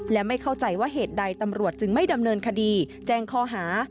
และไม่เข้าใจว่าเหตุใดตำรวจจึงไม่ดำเนินคดีแจ้งข้อหา